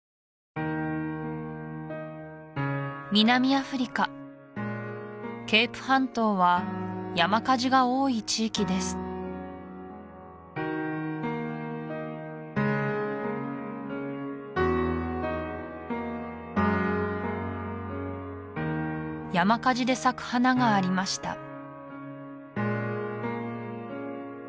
南アフリカケープ半島は山火事が多い地域です山火事で咲く花がありました